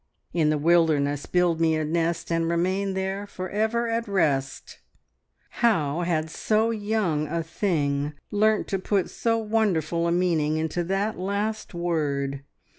"In the wilderness build me a nest, and remain there for ever at rest." ... How had so young a thing learnt to put so wonderful a meaning into that last word?